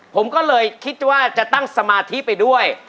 ผมก็เลยคิดว่าจะตั้งสมาธิไปด้วย